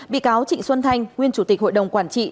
bị cáo trịnh xuân thanh nguyên chủ tịch hội đồng quản trị